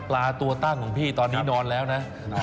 ตัวตั้งของพี่ตอนนี้นอนแล้วนะ